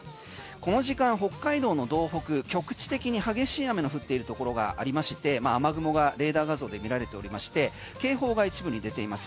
この時間、北海道の道北局地的に激しい雨の降っているところがありまして雨雲がレーダー画像で見られておりまして警報が一部に出ています。